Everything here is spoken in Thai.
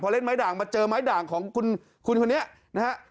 เล่นไม้ด่างมาเจอไม้ด่างของคุณคนนี้นะฮะ